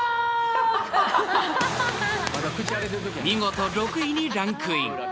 ［見事６位にランクイン］